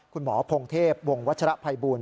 คุณหมอพงเทพวงวัชระภัยบูล